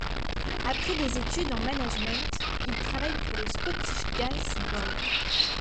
Après des études en management, il travaille pour le Scottish Gas Board et l'.